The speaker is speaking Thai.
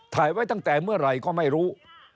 ถ่ายไว้ตั้งแต่เมื่อไหร่ก็ไม่รู้